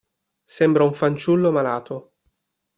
Sembra un fanciullo malato.